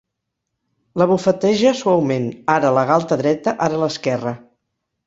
La bufeteja suaument, ara la galta dreta, ara l'esquerra.